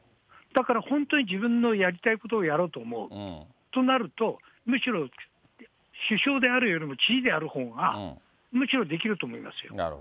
だから本当に自分のやりたいことをやろうと思うとなると、むしろ、首相であるよりも知事であるほうがむしろできると思いますよ。